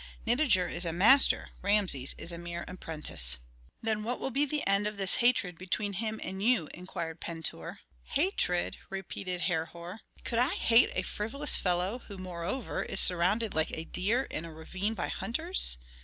Nitager is a master, Rameses is a mere apprentice." "Then what will be the end of this hatred between him and you?" inquired Pentuer. "Hatred!" repeated Herhor. "Could I hate a frivolous fellow, who, moreover, is surrounded, like a deer in a ravine by hunters!